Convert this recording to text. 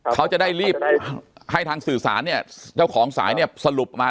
เขาจะได้รีบให้ทางสื่อสารเนี่ยเจ้าของสายเนี่ยสรุปมา